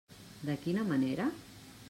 De quina manera?